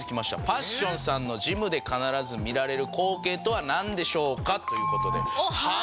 パッションさんのジムで必ず見られる光景とはなんでしょうかという事で。